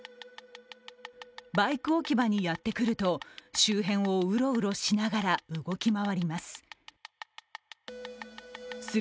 バイク置き場にやってくると、周辺をうろうろしながら動き回ります。